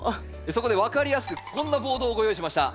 そこで分かりやすくこんなボードをご用意しました。